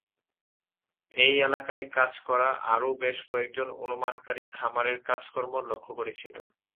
এই এলাকায় কাজ করা আরও বেশ কয়েকজন অনুমানকারী খামারের কাজকর্ম লক্ষ করেছিল।